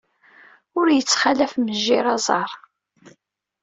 Ur yettxalaf mejjir aẓar.